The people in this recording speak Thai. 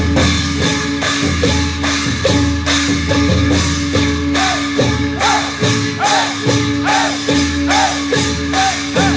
ว้าวว้าวว้าว